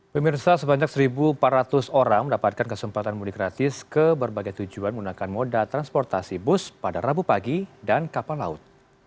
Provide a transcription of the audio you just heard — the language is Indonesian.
pemirsa sebanyak satu empat ratus orang mendapatkan kesempatan mudik gratis ke berbagai tujuan menggunakan moda transportasi bus pada rabu pagi dan kapal laut